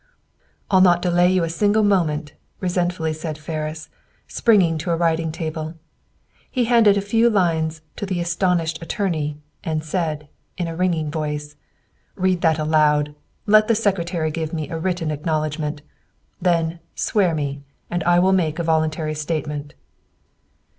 "I'll not delay you a single moment," resentfully said Ferris, springing to a writing table. He handed a few lines to the astonished attorney, and said, in a ringing voice, "Read that aloud! Let the secretary give me a written acknowledgment. Then, swear me, and I will make a voluntary statement."